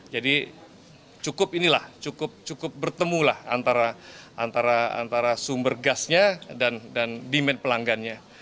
jadi cukup ini lah cukup bertemu lah antara sumber gasnya dan demand pelanggannya